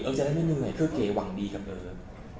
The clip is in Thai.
เอิ๊กจะได้เหนื่อยเพื่อเก๋หวังดีกับเอิ๊ก